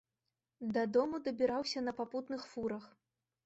Дадому дабіраўся на папутных фурах.